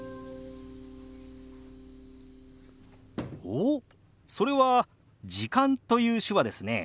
おっそれは「時間」という手話ですね。